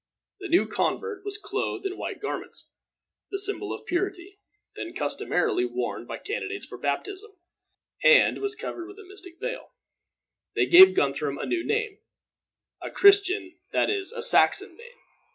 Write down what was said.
The new convert was clothed in white garments the symbol of purity, then customarily worn by candidates for baptism and was covered with a mystic veil. They gave Guthrum a new name a Christian, that is, a Saxon name.